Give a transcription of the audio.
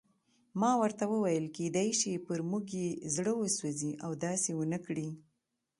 ما ورته وویل: کېدای شي پر موږ یې زړه وسوځي او داسې ونه کړي.